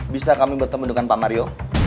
bisa kami bertemu dengan pak mario